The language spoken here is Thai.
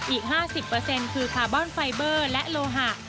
อีก๕๐คือคาร์บอนไฟเบอร์และโลหะ